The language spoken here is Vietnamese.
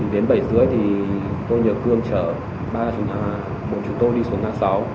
đến bảy rưỡi thì tôi nhờ cương chở ba chú tôi đi xuống a sáu